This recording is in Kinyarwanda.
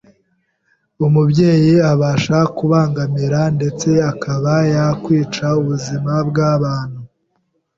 umubyeyi abasha “kubangamira ndetse akaba yakwica ubuzima bw’abantu